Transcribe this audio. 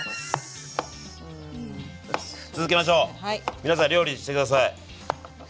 皆さん料理して下さい。